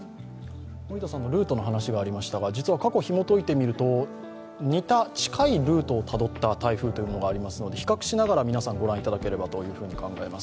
森田さんのルートの話がありましたが、過去をひもといてみますと似た、近いルートをたどった台風というものがありますので、比較しながら、皆さん御覧いただければと思います。